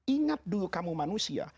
ingat dulu kamu manusia